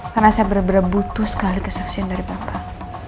karena saya bener bener butuh sekali kesaksian dari bapak